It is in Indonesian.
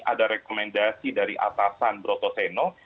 ada rekomendasi dari atasan broto seno